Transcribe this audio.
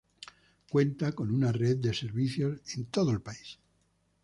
Cuenta con una red de servicios en todo el país.